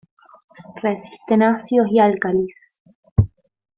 Resisten ácidos y álcalis.